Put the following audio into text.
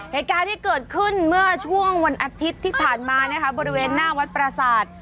เหตุการณ์ที่เกิดขึ้นเมื่อช่วงวันอาทิตย์ที่ผ่านมานะคะบริเวณหน้าวัดประสาท